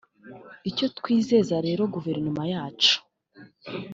Icyo twizeza rero Guverinoma yacu